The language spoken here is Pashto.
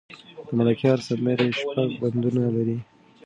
د ملکیار سندره شپږ بندونه لري.